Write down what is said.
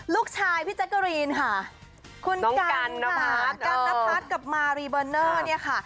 ลูกชายพี่จักรีนค่ะคุณกันนภาษกับมารีเบอร์เนอร์เนี่ยค่ะ